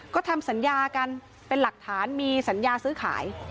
ก็ทำสัญญากันเป็นหลักฐานมีสัญญาซื้อขาย